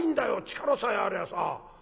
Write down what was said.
力さえありゃあさ。